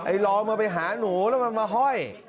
รองมันไปหาหนูแล้วมันมาห้อย